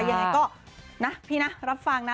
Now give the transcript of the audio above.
ยังไงก็นะพี่นะรับฟังนะ